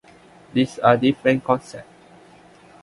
These are different concepts.